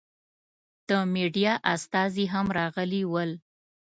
د مېډیا استازي هم راغلي ول.